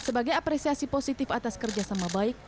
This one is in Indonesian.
sebagai apresiasi positif atas kerja sama baik